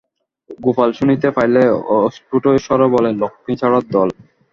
গোপাল শুনিতে পাইলে অস্ফুট স্বরে বলে লক্ষ্মীছাড়ার দল!